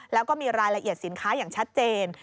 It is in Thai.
แล้วก็มีรายละเอียดสินค้าอย่างชัดเจน